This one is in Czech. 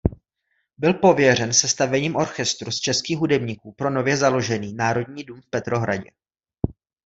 Byl pověřen sestavením orchestru z českých hudebníků pro nově založený "Národní dům" v Petrohradě.